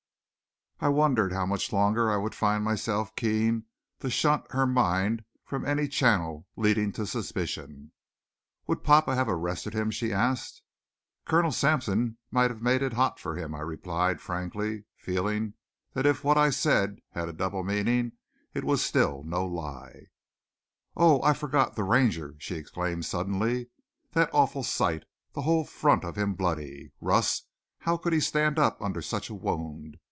I wondered how much longer I would find myself keen to shunt her mind from any channel leading to suspicion. "Would papa have arrested him?" she asked. "Colonel Sampson might have made it hot for him," I replied frankly, feeling that if what I said had a double meaning it still was no lie. "Oh, I forgot the Ranger!" she exclaimed suddenly. "That awful sight the whole front of him bloody! Russ, how could he stand up under such a wound?